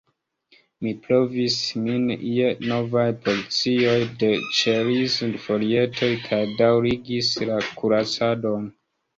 Mi provizis min je novaj porcioj de ĉeriz-folietoj kaj daŭrigis la kuracadon.